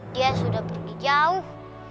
dia sudah pergi jauh